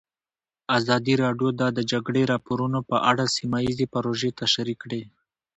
ازادي راډیو د د جګړې راپورونه په اړه سیمه ییزې پروژې تشریح کړې.